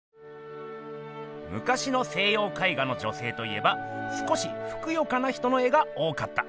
むかしの西よう絵画の女性といえば少しふくよかな人の絵が多かった。